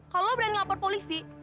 kalau berani lapor polisi